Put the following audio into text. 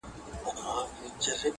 نو ورته ژوند بریښي